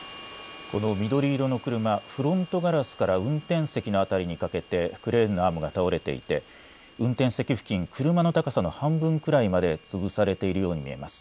この緑色の車、フロントガラスから運転席の辺りにかけてクレーンのアームが倒れていて運転席付近、車の高さの半分くらいまで潰されているように見えます。